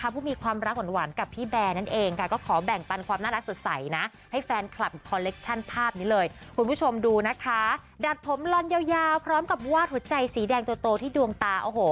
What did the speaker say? พร้อมกับวาดหัวใจสีแดงโตที่ดวงตา